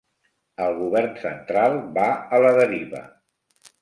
El govern central va a la deriva.